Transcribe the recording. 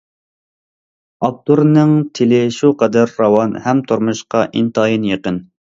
ئاپتورنىڭ تىلى شۇ قەدەر راۋان ھەم تۇرمۇشقا ئىنتايىن يېقىن.